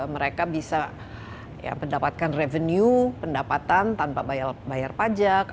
mereka bisa mendapatkan revenue pendapatan tanpa bayar pajak